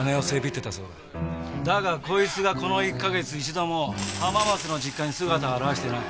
だがこいつがこの１か月一度も浜松の実家に姿を現してない。